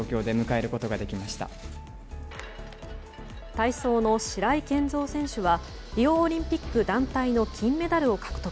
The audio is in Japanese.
体操の白井健三選手はリオオリンピック団体の金メダルを獲得。